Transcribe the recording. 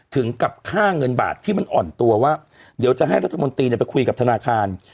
ถึงกับค่าเงินบาทที่มันอ่อนตัวว่าเดี๋ยวจะให้รัฐมนตรีไปคุยกับธนาคาร